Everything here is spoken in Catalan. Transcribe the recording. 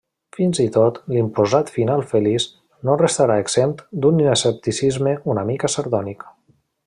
Fins i tot l'imposat final feliç no restarà exempt d'un escepticisme una mica sardònic.